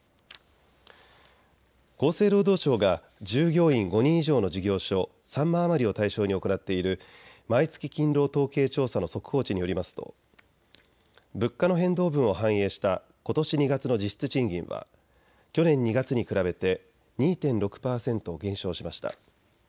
厚生労働省が従業員５人以上の事業所３万余りを対象に行っている毎月勤労統計調査の速報値によりますと物価の変動分を反映したことし２月の実質賃金は去年２月に比べて２．６％減少しました。